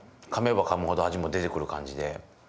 かめばかむほど味も出てくる感じで。